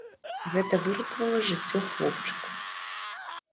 Гэта выратавала жыццё хлопчыку.